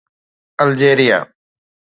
الجيريا